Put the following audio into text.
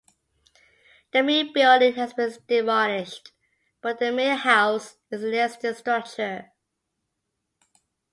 The mill building has been demolished, but the mill house is a listed structure.